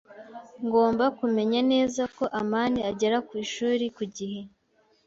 Ngomba kumenya neza ko amani agera ku ishuri ku gihe.